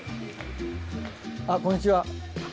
あっこんにちは。